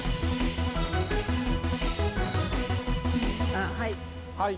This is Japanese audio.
あっはい。